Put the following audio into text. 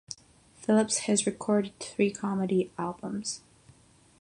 Philips has recorded three comedy albums.